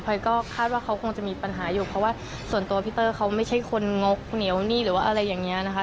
ยก็คาดว่าเขาคงจะมีปัญหาอยู่เพราะว่าส่วนตัวพี่เตอร์เขาไม่ใช่คนงกเหนียวนี่หรือว่าอะไรอย่างนี้นะคะ